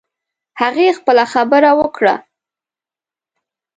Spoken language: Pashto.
هغې خپله خبره وکړه